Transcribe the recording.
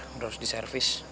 udah harus diservis